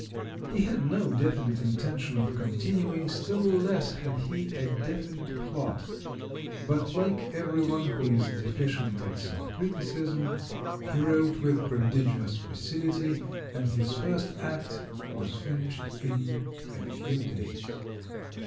He had no definite intention of con tinuing, still less had he a definite plot; but like everyone who is deficient in self criticism, he wrote with prodigious facility, and his first act was finished in a few days.